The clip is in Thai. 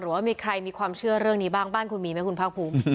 ว่ามีใครมีความเชื่อเรื่องนี้บ้างบ้านคุณมีไหมคุณภาคภูมิ